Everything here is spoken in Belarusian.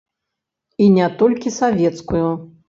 І не толькі савецкую.